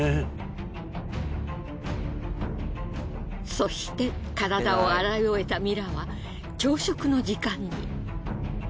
そして体を洗い終えたミラは朝食の時間に。